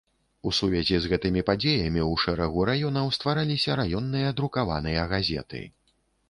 У сувязі з гэтымі падзеямі ў шэрагу раёнаў ствараліся раённыя друкаваныя газеты.